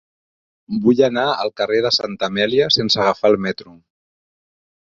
Vull anar al carrer de Santa Amèlia sense agafar el metro.